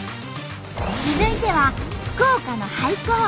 続いては福岡の廃校。